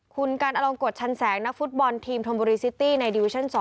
คุณการอลงกฎชันแสงนักฟุตบอลทีมทอมบุรีซิตี้ในดิวิชั่น๒